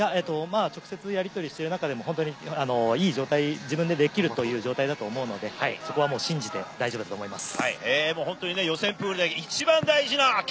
直接やり取りしている中でも、いい状態、自分でできるという状態だと思うので、そこは信じて大丈夫だと思います。